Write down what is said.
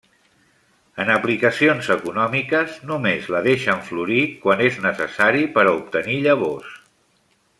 En aplicacions econòmiques, només la deixen florir quan és necessari per a obtenir llavors.